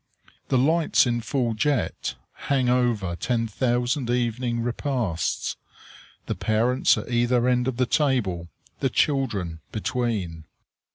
The lights in full jet hang over ten thousand evening repasts the parents at either end of the table, the children between.